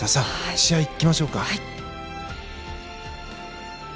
試合行きましょうか。